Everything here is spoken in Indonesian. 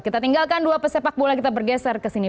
kita tinggalkan dua pesepak bola kita bergeser ke sini